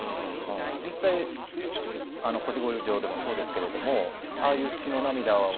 実際あの腰越状でもそうですけれどもああいう血の涙を。